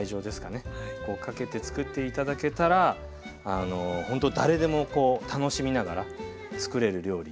かけてつくって頂けたらほんと誰でも楽しみながらつくれる料理。